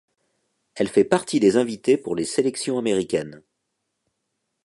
Elle fait partie des invitées pour les sélections américaines.